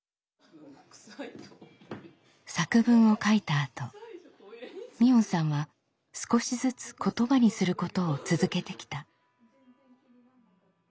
作文を書いたあと海音さんは少しずつ言葉にすることを続けてきた。